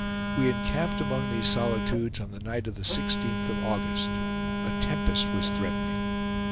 We encamped among these solitudes on the night of the 16th of August. A tempest was threatening.